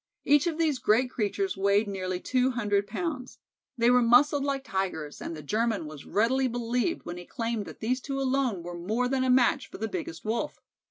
Each of these great creatures weighed nearly two hundred pounds. They were muscled like Tigers, and the German was readily believed when he claimed that these two alone were more than a match for the biggest Wolf.